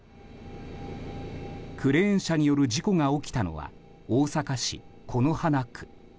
クレーン車による事故が起きたのは大阪市此花区。